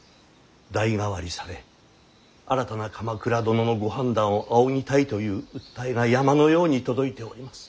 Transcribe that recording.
代替わりされ新たな鎌倉殿のご判断を仰ぎたいという訴えが山のように届いております。